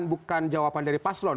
bukan jawaban dari paslon